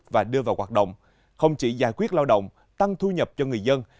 và đưa vào hoạt động không chỉ giải quyết lao động tăng thu nhập cho người dân